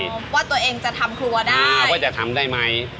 ผมว่าตัวเองจะทำครัวได้ว่าจะทำได้ไหม